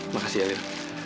makasih ya lil